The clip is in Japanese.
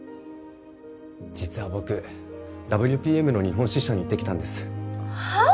実は僕ＷＰＭの日本支社に行ってきたんですはっ！？